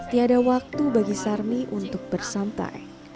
tidak ada waktu bagi sarmi untuk bersantai